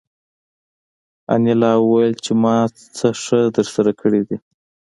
انیلا وویل چې ما څه ښه درسره کړي دي